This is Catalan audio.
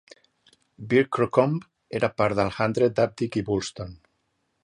Beer Crocombe era part del "hundred" d'Abdick i Bulstone.